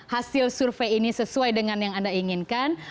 hasil survei ini sesuai dengan yang anda inginkan